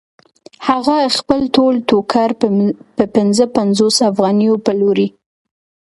هغه خپل ټول ټوکر په پنځه پنځوس افغانیو پلوري